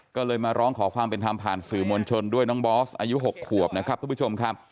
ก็เลยมาร้องขอความเป็นธรรมผ่านสื่อมวลชนด้วยน้องบอสอายุ๖ขวบนะครับทุกผู้ชมครับ